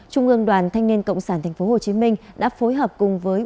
trung ương đoàn thanh niên cộng sản tp hcm đã phối hợp cùng với